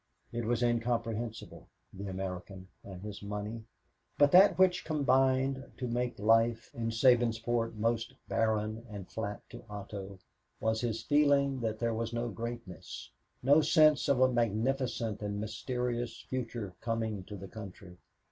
It was incomprehensible the American and his money. But that which combined to make life in Sabinsport most barren and flat to Otto was his feeling that there was no greatness, no sense of a magnificent and mysterious future coming to the country.